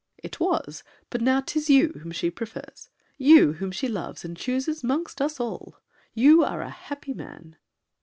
It was! But now 'tis you whom she prefers, You whom she loves and chooses 'mongst us all. You are a happy man.